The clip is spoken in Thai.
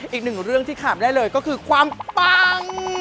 อีกหนึ่งเรื่องที่ขาดได้เลยก็คือความปัง